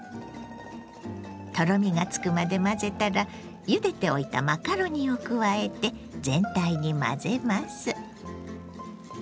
とろみがつくまで混ぜたらゆでておいたマカロニを加えて全体に混ぜます。